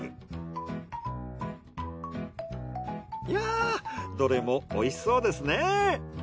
いやぁどれも美味しそうですね。